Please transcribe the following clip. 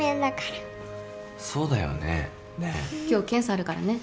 今日検査あるからね。